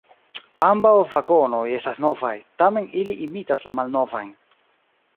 Ambaŭ vagonoj estas novaj, tamen ili imitas la malnovajn.